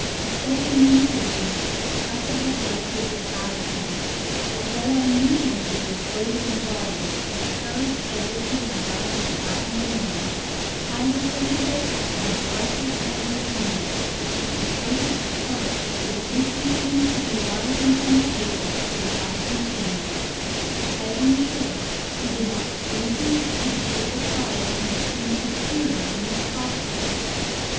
So inimitably expressive of life was his attitude, that though I knew him to be a frozen body as perished as if he had died with Adam or Noah, I was sensible of a breathless wonder in me that the affrighted start with which he seemed to be rising from the table was not continued that, in short, he did not spring to his feet with the cry that you seemed to hear in his posture.